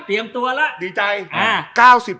เตรียมตัวแล้วดีใจ